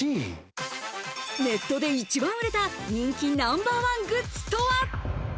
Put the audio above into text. ネットで一番売れた人気ナンバーワングッズとは？